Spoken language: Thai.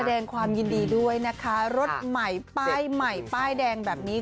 แสดงความยินดีด้วยนะคะรถใหม่ป้ายใหม่ป้ายแดงแบบนี้